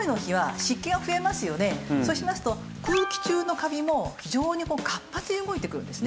そうしますと空気中のカビも非常に活発に動いてくるんですね。